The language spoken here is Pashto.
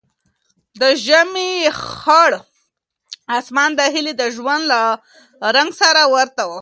د ژمي خړ اسمان د هیلې د ژوند له رنګ سره ورته و.